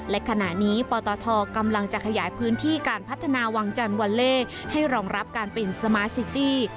และขณะนี้ปตทกำลังจะขยายพื้นที่การพัฒนาวังจันทร์วัลเล่ให้รองรับการเป็นสมาร์ซิตี้